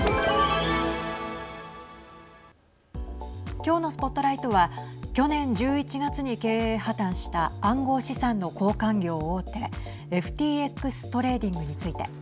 今日のＳＰＯＴＬＩＧＨＴは去年１１月に経営破綻した暗号資産の交換業大手ＦＴＸトレーディングについて。